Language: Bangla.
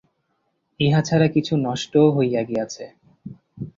ইহা ছাড়া কিছু নষ্টও হইয়া গিয়াছে।